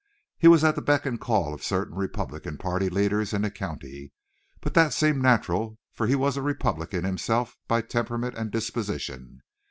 He was at the beck and call of certain Republican party leaders in the county; but that seemed natural, for he was a Republican himself by temperament and disposition.